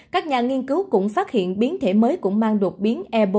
các nhà nghiên cứu cũng phát hiện biến thể mới cũng mang đột biến e bốn